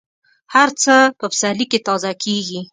هر څه په پسرلي کې تازه کېږي.